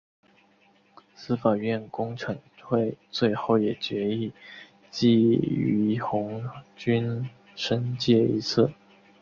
司法院公惩会最后也议决记俞鸿钧申诫一次。